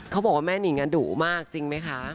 เขาบอกว่าแม่นิงดุมากจริงไหมคะ